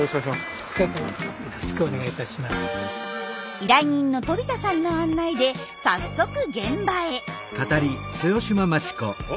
依頼人の飛田さんの案内で早速現場へ。